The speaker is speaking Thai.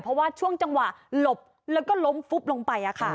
เพราะว่าช่วงจังหวะหลบแล้วก็ล้มฟุบลงไป